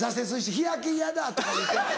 「日焼けヤダ」とか言うて。